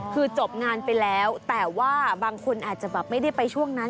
คือจบงานไปแล้วแต่ว่าบางคนอาจจะแบบไม่ได้ไปช่วงนั้น